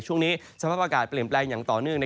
ช่วงนี้สภาพอากาศเปลี่ยนแปลงอย่างต่อเนื่อง